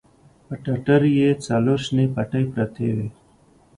پر ټټر يې څلور شنې پټې پرتې وې.